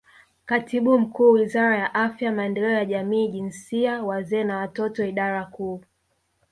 Katibu Mkuu Wizara ya Afya Maendeleo ya Jamii Jinsia Wazee na Watoto Idara Kuu